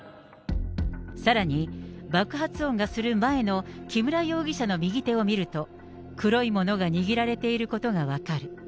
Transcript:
さらに爆発音がする前の木村容疑者の右手を見ると、黒いものが握られていることが分かる。